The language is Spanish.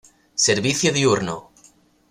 Servicio diurno